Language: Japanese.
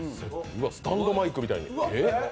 スタンドマイクみたいに。